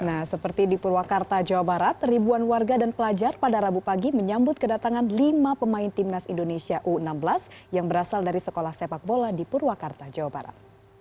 nah seperti di purwakarta jawa barat ribuan warga dan pelajar pada rabu pagi menyambut kedatangan lima pemain timnas indonesia u enam belas yang berasal dari sekolah sepak bola di purwakarta jawa barat